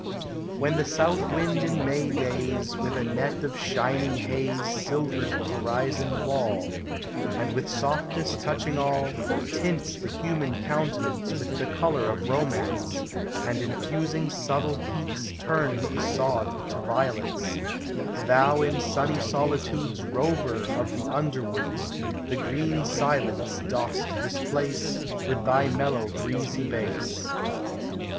When the south wind, in May days, With a net of shining haze ANIMATE NATURE. 343 Silvers the horizon wall; And, with 'softness touching all, Tints the human countenance With the color of romance; And infusing subtle heats Turns the sod to violets, — Thou in sunny solitudes Rover of the underwoods, The green silence dost displace With thy mellow breezy bass.